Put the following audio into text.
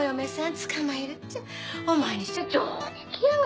捕まえるっちゃお前にしちゃ上出来やわ。